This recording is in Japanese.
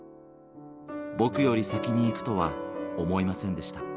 僕より先に逝くとは思いませんでした。